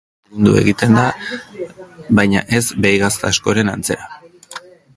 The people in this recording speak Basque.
Berotzean bigundu egiten da, baina ez behi gazta askoren antzera.